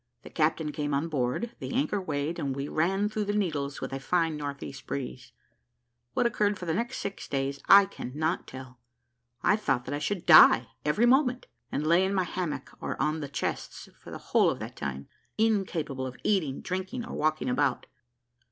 The captain came on board, the anchor weighed, and we ran through the Needles with a fine NE breeze. What occurred for the next six days I cannot tell. I thought that I should die every moment, and lay in my hammock or on the chests for the whole of that time, incapable of eating, drinking, or walking about.